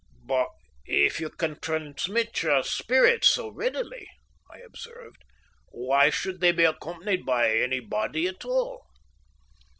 "But if you can transmit your spirits so readily," I observed, "why should they be accompanied by any body at all?"